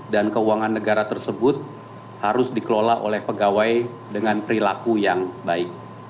dan keuangan negara tersebut harus dikelola oleh pegawai dengan perilaku yang baik